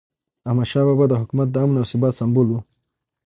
احمدشاه بابا د حکومت د امن او ثبات سمبول و.